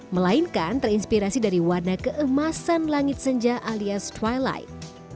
melainkan terinspirasi dari warna keemasan langit senja alias trilight